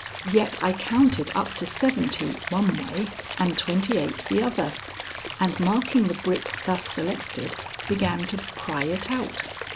Yet I counted up to seventy one way and twenty eight the other, and marking the brick thus selected, began to pry it out.